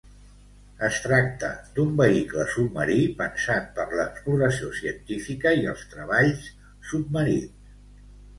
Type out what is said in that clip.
Es tracta d'un vehicle submarí pensat per l'exploració científica i els treballs submarins.